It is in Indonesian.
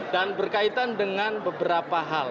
dan berkaitan dengan beberapa hal